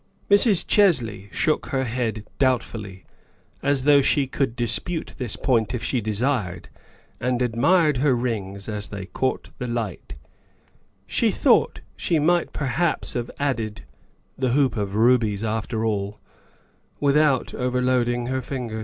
'' Mrs. Chesley shook her head doubtfully, as though she could dispute this point if she desired, and admired her rings as they caught the light; she thought she might perhaps have added the hoop of rubies, after all, without overloading her fingers.